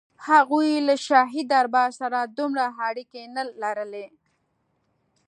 هغوی له شاهي دربار سره دومره اړیکې نه لرلې.